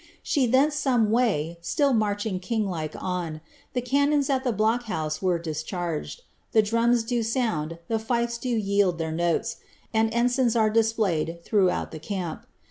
S5 She thence some way, still marching kinglike on ; The cannons at the Block House were discharged ; The drams do sound, the fifes do yield their notes ; And ensigns are 4isplayed throughout the camp.